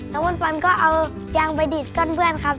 มนต์ฟันก็เอายางไปดีดก้อนเพื่อนครับ